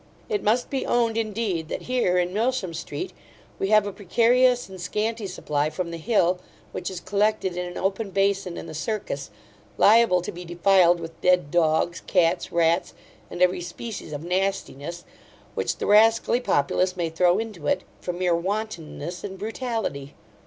It must be owned, indeed, that here, in Milsham street, we have a precarious and scanty supply from the hill; which is collected in an open bason in the Circus, liable to be defiled with dead dogs, cats, rats, and every species of nastiness, which the rascally populace may throw into it, from mere wantonness and brutality.